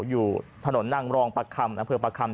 อยู่ถนนนางรองประคำอำเภอประคำ